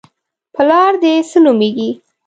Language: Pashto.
_پلار دې څه نومېږي؟